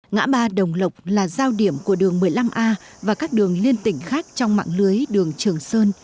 ngã ba đồng lộc là giao điểm của đường một mươi năm a và các đường liên tỉnh khác trong mạng lưới đường trường sơn